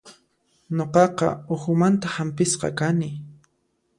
Nuqaqa uhumanta hampisqa kani.